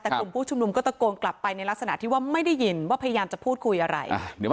แต่กลุ่มผู้ชุมนุมก็ตะโกนกลับไปในลักษณะที่ว่าไม่ได้ยินว่าพยายามจะพูดคุยอะไร